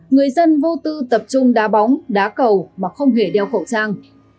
người dân vô tư tập trung đá bóng đá cầu mà không hề đeo khẩu trang